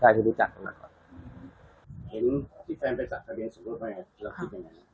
เห็นพี่แฟนไปจัดทะเบียงสิงหัวแม่แล้วคิดยังไง